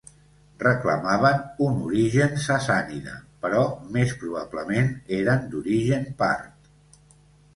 Reclamaven un origen sassànida però més probablement eren d'origen part.